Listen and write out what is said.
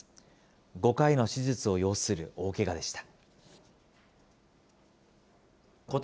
５回の手術を要する大けがでした。